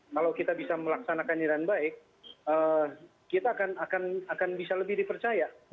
kalau kita bisa melaksanakan ini dengan baik kita akan bisa lebih dipercaya